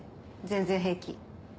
全然平気。